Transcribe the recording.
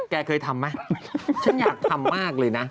แกเคยทำไหมฉันอยากทำมากเลยนะ